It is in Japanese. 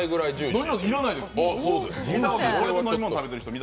要らないです。